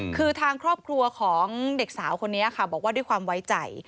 คือทางครอบครัวของเด็กสาวคนนี้ค่ะบอกว่าด้วยความไว้ใจ